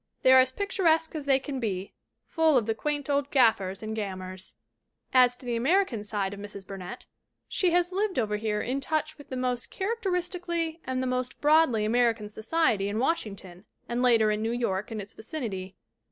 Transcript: They are as picturesque as they can be, full of the quaint old gaffers and gam mers. 360 THE WOMEN WHO MAKE OUR NOVELS "As to the American side of Mrs. Burnett, she has lived over here in touch with the most characteristic ally and the most broadly American society in Wash ington and later in New York and its vicinity.